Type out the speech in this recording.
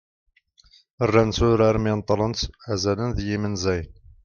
rrant urar mi neṭṭlent "azalen d yimenzayen"